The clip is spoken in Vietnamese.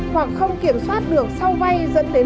hoặc không kiểm soát được sau vay